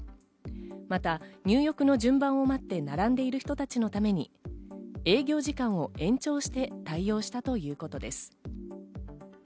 また入浴の順番を待って並んでいる人たちのために、営業時間を延長して対応したということです。